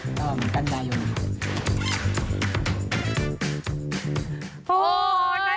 ก็เริ่มวันที่๒๐นกันดายยนต์ครับ